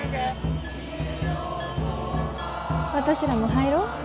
私らも入ろう。